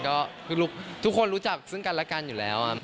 มันก็ทุกคนรู้จักซึ่งกันและกันอยู่แล้ว